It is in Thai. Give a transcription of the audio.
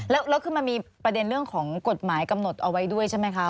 แล้วคือมันมีประเด็นเรื่องของกฎหมายกำหนดเอาไว้ด้วยใช่ไหมคะ